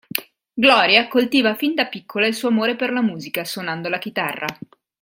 Gloria coltiva fin da piccola il suo amore per la musica, suonando la chitarra.